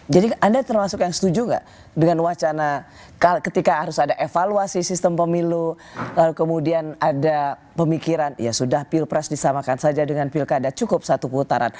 jadi anda termasuk yang setuju gak dengan wacana ketika harus ada evaluasi sistem pemilu kemudian ada pemikiran ya sudah pilpres disamakan saja dengan pilkada cukup satu putaran